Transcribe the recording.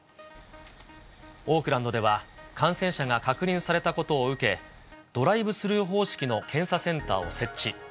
オークランドでは感染者が確認されたことを受け、ドライブスルー方式の検査センターを設置。